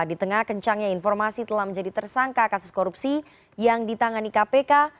di tengah kencangnya informasi telah menjadi tersangka kasus korupsi yang ditangani kpk